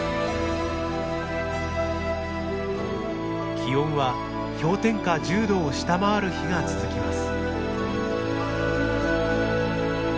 気温は氷点下１０度を下回る日が続きます。